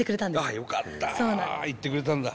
あっよかった行ってくれたんだ。